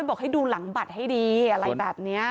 บอกให้ดูหลังบัตรให้ดีอะไรแบบนี้